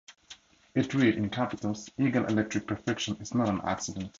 It read, in capitals, "Eagle Electric-Perfection is not an accident".